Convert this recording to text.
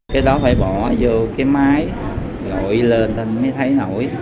cái đó phải bỏ vô cái máy gọi lên thì mới thấy nổi